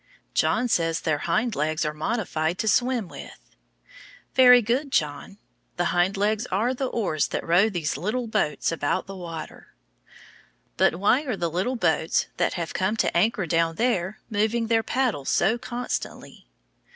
John says their hind legs are modified to swim with. Very good, John. The hind legs are the oars that row these little boats about in the water. But why are the little boats that have come to anchor down there moving their paddles so constantly?